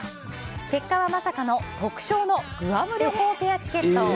結果はまさかの特賞のグアム旅行チケット。